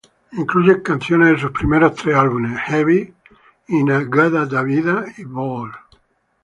Incluye canciones de sus primeros tres álbumes, "Heavy", "In-A-Gadda-Da-Vida" y "Ball".